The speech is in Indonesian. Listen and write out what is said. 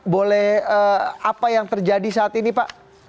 boleh apa yang terjadi saat ini pak